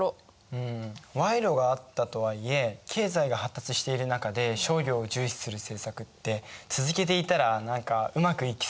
うん賄賂があったとはいえ経済が発達している中で商業を重視する政策って続けていたら何かうまくいきそうだけどね。